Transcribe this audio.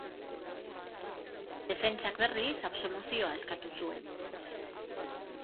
Defentsak, berriz, absoluzioa eskatu zuen.